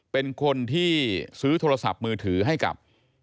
เป็นคนที่ซื้อโทรศัพท์มือถือให้กับ